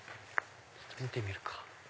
見てみるか。